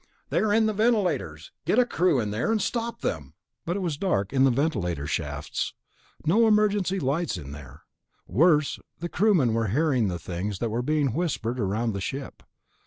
"They're in the ventilators. Get a crew in there and stop them." But it was dark in the ventilator shafts. No emergency lights in there. Worse, the crewmen were hearing the things that were being whispered around the ship.